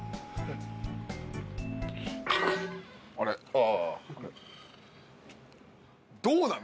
ああ。